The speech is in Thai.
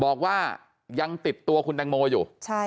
บอกว่ายังติดตัวคุณแตงโมอยู่